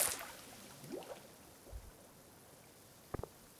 হ্যাঁ, মানে, দেখো, তিনজনের পায়ে তিন রকমের জুতো।